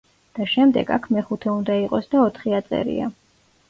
და შემდეგ აქ მეხუთე უნდა იყოს და ოთხი აწერია.